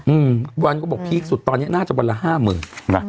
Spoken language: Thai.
อืมทุกวันก็บอกว่าพีคสุดตอนนี้น่าจะวันละห้าหมื่น